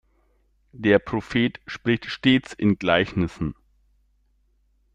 Der Prophet spricht stets in Gleichnissen.